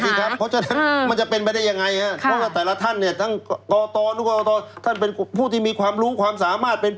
เพราะฉะนั้นมันจะเป็นไปได้ยังไงครับเพราะว่าแต่ละท่านเนี่ยทั้งกตทุกกรตท่านเป็นผู้ที่มีความรู้ความสามารถเป็น